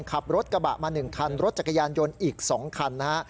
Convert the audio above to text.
ขับรถกระบะมา๑คันรถจักรยานยนต์อีก๒คันนะฮะ